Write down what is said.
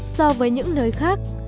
so với những nơi khác